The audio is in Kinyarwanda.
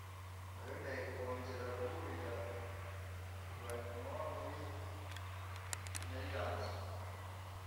Bemeye kongera guhurira i Baltimore, muri Maryland.